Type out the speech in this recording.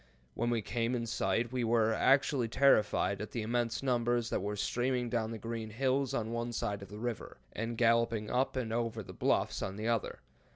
When we came in sight, we were actually terrified at the immense numbers that were streaming down the green hills on one side of the river, and galloping up and over the bluffs on the other.